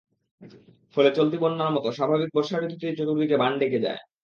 ফলে চলতি বন্যার মতো স্বাভাবিক বর্ষা ঋতুতেই চতুর্দিকে বান ডেকে যায়।